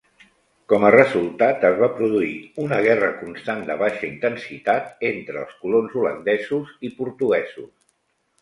Com a resultat, es va produir una guerra constant de baixa intensitat entre els colons holandesos i portuguesos.